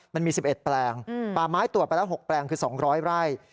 มันมี๑๑แปลงป่าไม้ตรวจไปแล้ว๖แปลงคือ๒๐๐ไร่